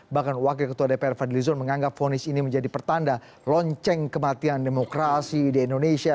bahkan wakil ketua dpr fadlizon menganggap fonis ini menjadi pertanda lonceng kematian demokrasi di indonesia